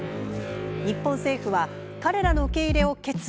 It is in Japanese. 日本政府は彼らの受け入れを決意。